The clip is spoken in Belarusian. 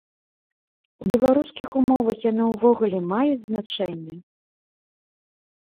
У беларускіх умовах яны ўвогуле маюць значэнне?